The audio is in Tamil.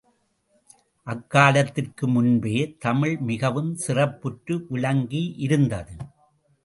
அக்காலத்திற்கு முன்பே தமிழ் மிகவும் சிறப்புற்று விளங்கியிருந்தது.